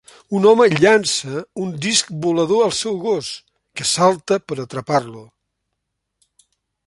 Un home llança un disc volador al seu gos, que salta per atrapar-lo.